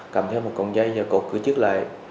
cầm theo một cổng dây và cột cửa trước lại